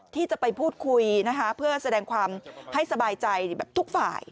ที่จะไปพูดคุยนะคะเพื่อแสดงความให้สบายใจแบบทุกฝ่าย